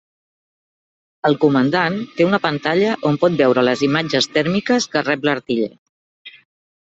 El comandant té una pantalla on pot veure les imatges tèrmiques que rep l'artiller.